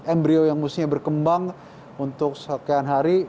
embryo yang mestinya berkembang untuk sekian hari